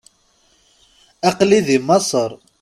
Aql-i di Maseṛ.